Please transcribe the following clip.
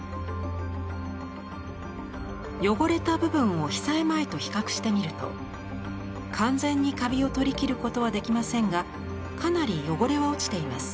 汚れた部分を被災前と比較してみると完全にカビを取りきることはできませんがかなり汚れは落ちています。